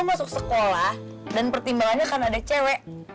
masuk sekolah dan pertimbangannya kan ada cewek